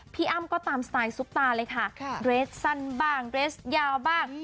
อ้ำก็ตามสไตล์ซุปตาเลยค่ะเรสสั้นบ้างเรสยาวบ้าง